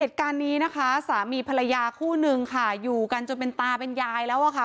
เหตุการณ์นี้นะคะสามีภรรยาคู่นึงค่ะอยู่กันจนเป็นตาเป็นยายแล้วอะค่ะ